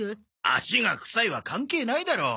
「足が臭い」は関係ないだろ。